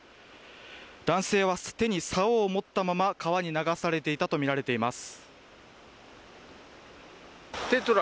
男性は手にさおを持ったまま川に流されていたとみられています。